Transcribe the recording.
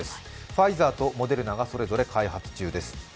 ファイザーとモデルナがそれぞれ開発中です。